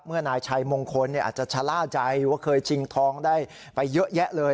นายชัยมงคลอาจจะชะล่าใจว่าเคยชิงทองได้ไปเยอะแยะเลย